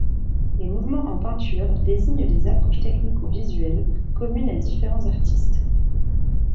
Les mouvements en peinture désignent des approches techniques ou visuelles communes à différents artistes.